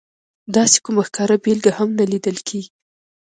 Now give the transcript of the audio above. داسې کومه ښکاره بېلګه هم نه لیدل کېږي.